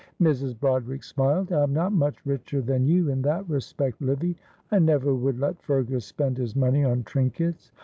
Mrs. Broderick smiled. "I am not much richer than you in that respect, Livy. I never would let Fergus spend his money on trinkets.